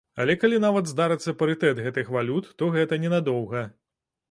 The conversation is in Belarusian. Але, калі нават здарыцца парытэт гэтых валют, то гэта ненадоўга.